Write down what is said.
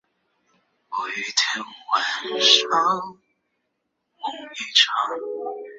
何俊仁将不能透过区议会功能组别参选立法会。